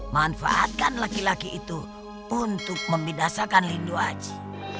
manfaatkan laki laki itu untuk memidasakan lindo haji